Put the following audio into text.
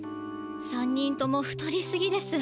３人とも太りすぎです。